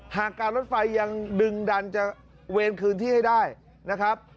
หากการรถไฟยังดึงดันจะเวรคืนที่ให้ได้นะครับ